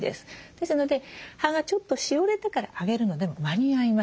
ですので葉がちょっとしおれてからあげるのでも間に合います。